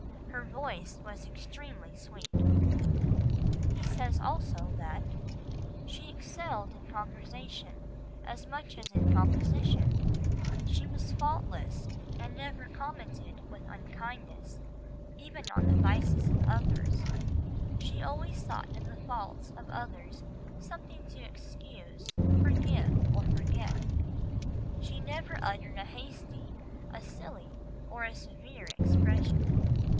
Her voice was extremely sweet." He says also that "she excelled in conversation as much as in composition; she was faultless, and never commented with unkindness even on the vices of others; she always sought in the faults of others something to excuse, forgive, or forget. She never uttered a hasty, a silly, or a severe expression."